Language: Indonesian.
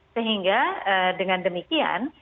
sehingga dengan demikian